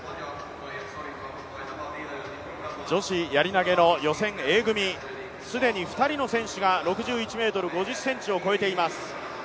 女子やり投の予選、Ａ組、すでに２人の選手が６１ｍ５０を越えています。